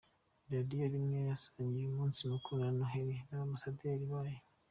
Radiyo rimwe yasangiye umunsi mukuru wa Noheli n’abambasaderi bayo